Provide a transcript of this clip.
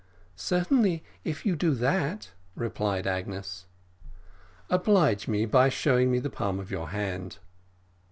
"Certainly, if you do that," replied Agnes. "Oblige me, by showing me the palm of your hand."